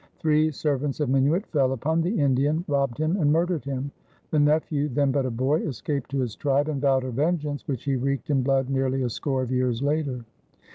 Three servants of Minuit fell upon the Indian, robbed him, and murdered him. The nephew, then but a boy, escaped to his tribe and vowed a vengeance which he wreaked in blood nearly a score of years later.